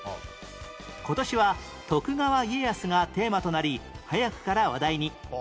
今年は徳川家康がテーマとなり早くから話題に